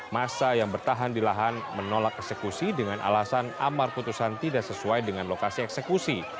masa yang bertahan di lahan menolak eksekusi dengan alasan amar putusan tidak sesuai dengan lokasi eksekusi